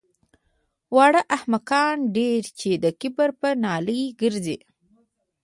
واړه احمقان دي چې د کبر په نیلي ګرځي